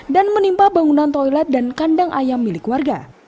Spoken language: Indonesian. dan menimpa bangunan toilet dan kandang ayam milik warga